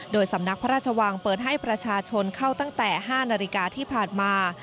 โดยสำนักพระราชวังเปิดให้ประชาชนเข้าตั้งแต่๕นาฬิกาที่ผ่านมา